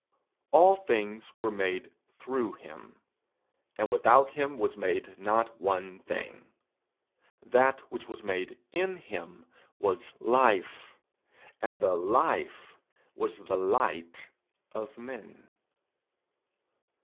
'All things were made through him, and without him was made not one thing. That which was made in him was life, and the life was the light of men.'